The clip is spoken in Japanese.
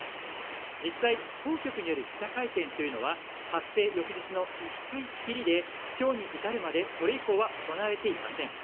実際、当局による記者会見というのは発生翌日の１回きりで今日に至るまでそれ以降は行われていません。